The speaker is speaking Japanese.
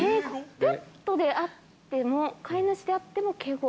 ペットであっても、飼い主であっても、敬語？